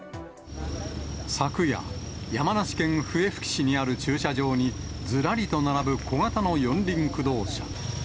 昨夜、山梨県笛吹市にある駐車場に、ずらりと並ぶ小型の四輪駆動車。